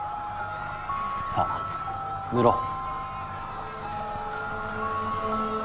さあ塗ろう。